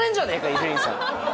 伊集院さん。